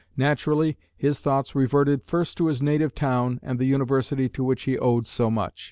Naturally, his thoughts reverted first to his native town and the university to which he owed so much.